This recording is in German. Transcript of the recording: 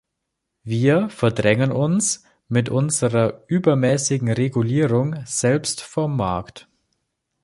Wir verdrängen uns mit unserer übermäßigen Regulierung selbst vom Markt.